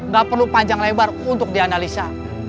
gak perlu panjang lebar untuk dianalisa